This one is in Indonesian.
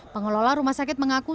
pengelola rumah sakit mengaku